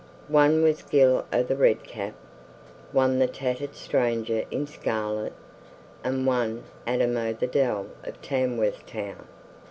One was Gill o' the Red Cap, one the tattered stranger in scarlet, and one Adam o' the Dell of Tamworth Town.